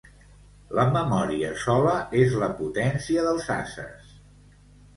La memòria sola és la potència dels ases.